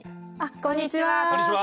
こんにちは。